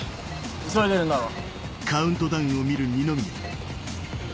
急いでるんだろ？